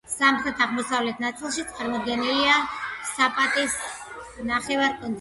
სამხრეთ-აღმოსავლეთ ნაწილში წარმოდგენილია საპატის ნახევარკუნძული.